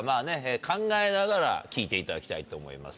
考えながら聴いていただきたいと思います。